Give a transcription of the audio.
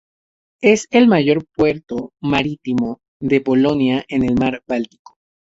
Es el mayor puerto marítimo de Polonia en el mar Báltico.